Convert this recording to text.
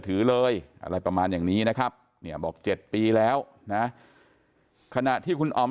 ถือเลยอะไรประมาณอย่างนี้นะครับเนี่ยบอก๗ปีแล้วนะขณะที่คุณออม